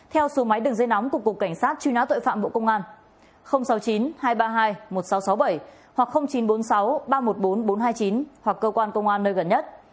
theo số máy đường dây nóng của cục cảnh sát truy nã tội phạm bộ công an sáu mươi chín hai trăm ba mươi hai một nghìn sáu trăm sáu mươi bảy hoặc chín trăm bốn mươi sáu ba trăm một mươi bốn bốn trăm hai mươi chín hoặc cơ quan công an nơi gần nhất